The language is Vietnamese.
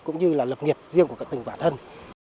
cũng như là lập nghiệp riêng của tình bản thân